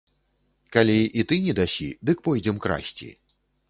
Калі і ты не дасі, дык пойдзем красці.